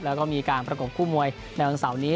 แล้วก็มีการประกบคู่มวยในวันเสาร์นี้